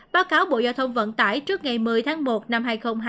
báo cáo bộ giao thông vận tải trước ngày một mươi tháng một năm hai nghìn hai mươi